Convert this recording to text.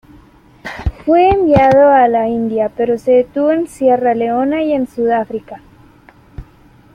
Fue enviado a la India, pero se detuvo en Sierra Leona y en Sudáfrica.